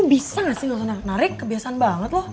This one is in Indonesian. lo bisa gak sih gak usah narik kebiasaan banget lo